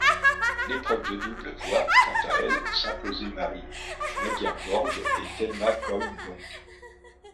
L'épreuve de double voit quant à elle s'imposer Mary Lagerborg et Thelma Coyne Long.